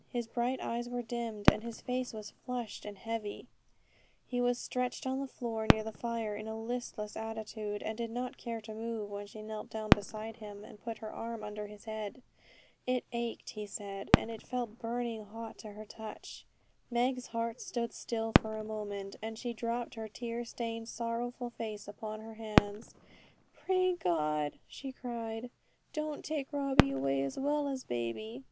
His bright eyes were dimmed, and his face was flushed and heavy; he was stretched on the floor near the fire, in a listless attitude, and did not care to move, when she knelt down beside him, and put her arm under his head. It ached, he said; and it felt burning hot to her touch. Meg's heart stood still for a moment, and then she dropped her tear stained sorrowful face upon her hands. 'Pray God,' she cried, 'don't take Robbie away as well as baby.